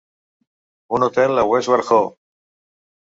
Un hotel a Westward Ho!